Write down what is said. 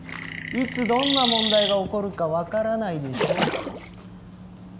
いつどんな問題が起こるか分からないでしょ